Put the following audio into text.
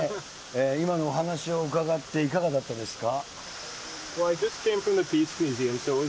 今のお話を伺って、いかがだったですか。